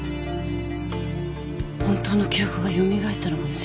本当の記憶が蘇ったのかもしれない。